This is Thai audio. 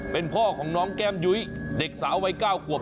เป็นพ่อของน้องแก้มยุ้ยเด็กสาววัย๙ขวบ